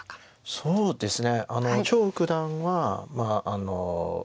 そうですね。